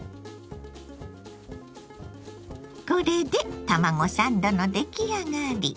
これで卵サンドの出来上がり。